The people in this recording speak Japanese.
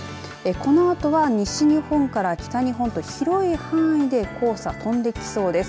このあとは西日本から北日本で広い範囲で黄砂飛んできそうです。